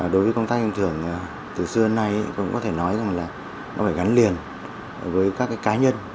đối với công tác khen thưởng từ xưa đến nay cũng có thể nói rằng là nó phải gắn liền với các cá nhân